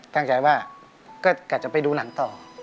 ตั้งใจว่าก็กะจะไปดูหนังต่อ